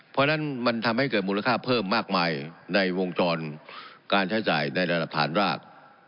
เพราะฉะนั้นมันทำให้เกิดมูลค่าเพิ่มมากมายในวงจรการใช้จ่ายในระดับฐานราก